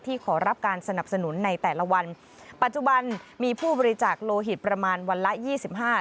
ขอรับการสนับสนุนในแต่ละวันปัจจุบันมีผู้บริจาคโลหิตประมาณวันละยี่สิบห้า